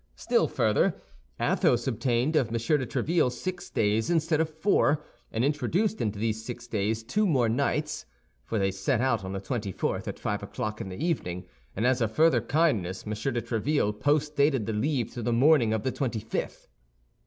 Still further, Athos obtained of M. de Tréville six days instead of four, and introduced into these six days two more nights—for they set out on the twenty fourth at five o'clock in the evening, and as a further kindness M. de Tréville post dated the leave to the morning of the twenty fifth.